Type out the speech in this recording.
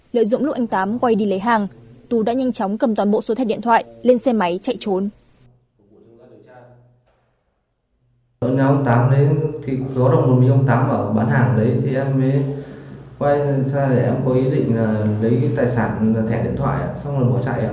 lợi dụng lúc anh tám quay đi lấy hàng tú đã nhanh chóng cầm toàn bộ số thẻ điện thoại lên xe máy chạy trốn